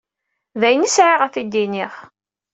D ayen i sɛiɣ ad t-id-iniɣ.